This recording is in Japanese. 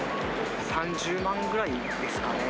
３０万ぐらいですかね。